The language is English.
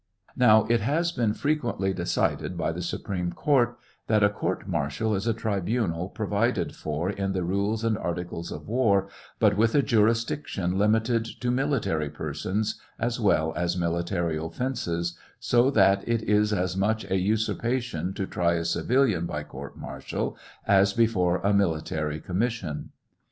Now it has been frequently decided by the Supreme Court that a court mar tial is a tribunal provided for in the rules and articles of war, but with a juris diction limited to military persons, as well as military offences, so that it is as much a usurpation to try a civilian by court martial as before a military com mission.